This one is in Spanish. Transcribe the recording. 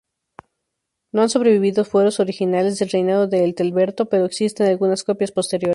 No han sobrevivido fueros originales del reinado de Ethelberto, pero existen algunas copias posteriores.